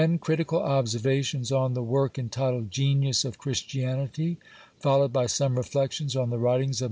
"Critical Observations on the work entitled 'Genius of Christianity.' ... Followed by some Reflections on the writings of M.